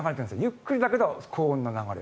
ゆっくりだけど高温の流れ。